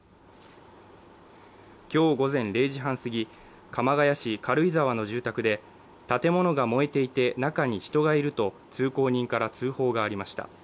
今日午前０時半すぎ、鎌ケ谷市軽井沢の住宅で建物が燃えていて中に人がいると通行人から通報がありました。